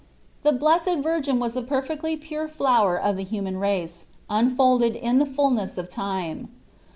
The Blesstd Virgin was the perfectly pure flower of the human race unfolded in the fulness of time.